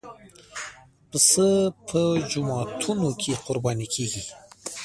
پسه په جوماتونو کې قرباني کېږي.